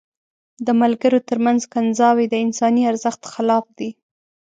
د ملګرو تر منځ کنځاوي د انساني ارزښت خلاف دي.